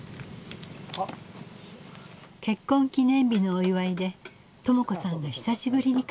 結婚記念日のお祝いで朋子さんが久しぶりに帰ってきました。